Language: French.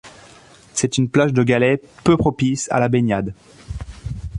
C'est une plage de galets peu propice à a baignade.